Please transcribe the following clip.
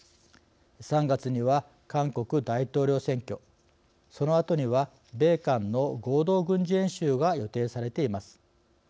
３月には韓国大統領選挙そのあとには米韓の合同軍事演習が予定されています。